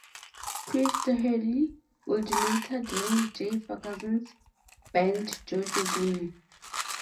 Chris Staehely would later join Jay Ferguson's band Jo Jo Gunne.